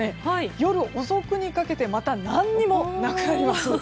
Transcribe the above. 夜遅くにかけてまた何にもなくなります。